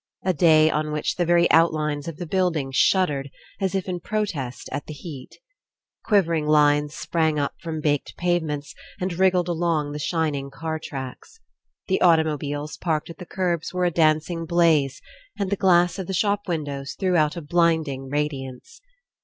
A day on which the very outlines of the buildings shuddered as if In protest at the heat. Quivering lines sprang up from baked pavements and wriggled along the shining car tracks. The automobiles parked at the kerbs were a dancing blaze, and the glass of the shop windows threw out a blind ing radiance.